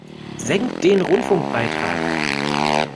Senkt den Rundfunkbeitrag!